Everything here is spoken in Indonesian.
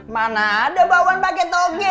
mana ada bawang pake toge